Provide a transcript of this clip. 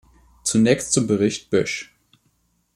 Zunächst zum Bericht Bösch.